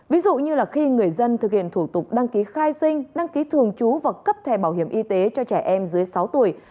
ví dụ như khi người dân thực hiện thủ tục đăng ký khai sinh đăng ký thường trú và cấp thẻ bảo hiểm y tế cho trẻ em dưới sáu tuổi